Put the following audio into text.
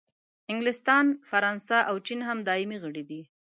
انګلستان، فرانسې او چین هم دایمي غړي دي.